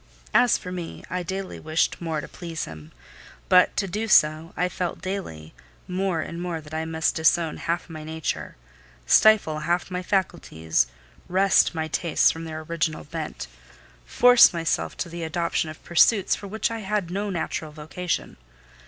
As for me, I daily wished more to please him; but to do so, I felt daily more and more that I must disown half my nature, stifle half my faculties, wrest my tastes from their original bent, force myself to the adoption of pursuits for which I had no natural vocation.